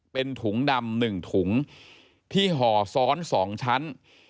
เป็นถุงดำ๑ถุงที่ห่อซ้อน๒ชั้น